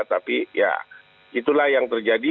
tapi ya itulah yang terjadi